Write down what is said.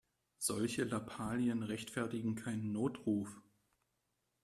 Solche Lappalien rechtfertigen keinen Notruf.